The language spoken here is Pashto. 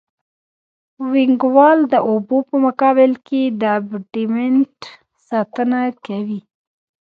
وینګ وال د اوبو په مقابل کې د ابټمنټ ساتنه کوي